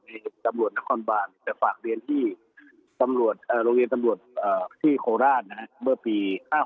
ในตำรวจนครบาลฯแต่ฝากเรียนที่โรงเรียนตำรวจที่โคราชเมื่อปี๕๕๕๕